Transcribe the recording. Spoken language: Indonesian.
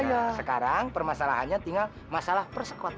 nah sekarang permasalahannya tinggal masalah persekot